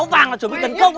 áo vàng là chuẩn bị tấn công